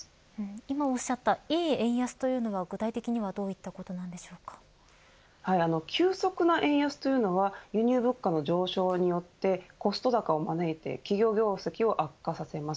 今おっしゃったいい円安というのは急速な円安というのは輸入物価の上昇によってコスト高を招いて企業業績を悪化させます。